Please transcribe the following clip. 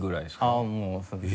あっもうそうです。